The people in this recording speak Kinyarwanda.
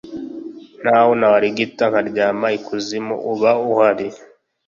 n'aho narigita nkaryama ikuzimu, uba uhari